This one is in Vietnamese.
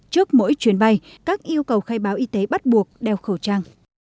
trước mỗi chuyến bay các yêu cầu khai báo y tế bắt buộc đeo khẩu trang